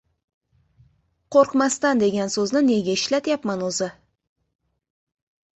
Qoʻrqmasdan degan soʻzni nega ishlatyapman oʻzi?